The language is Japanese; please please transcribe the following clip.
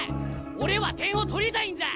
俺は点を取りたいんじゃ！